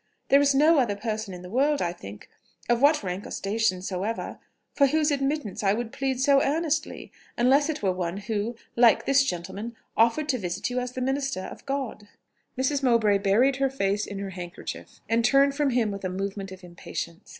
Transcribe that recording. There is no other person in the world, I think, of what rank or station soever, for whose admittance I would plead so earnestly, unless it were one who, like this gentleman, offered to visit you as the minister of God." Mrs. Mowbray buried her face in her handkerchief, and turned from him with a movement of impatience.